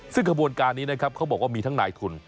ซึ่งขบวนการนี้นะครับเขาบอกว่ามีทั้งนายทุน